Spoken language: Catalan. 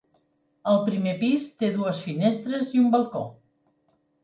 El primer pis té dues finestres i un balcó.